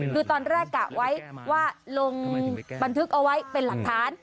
คือตอนแรกกะไว้ว่าลงบันทึกเอาไว้เป็นหลักฐาน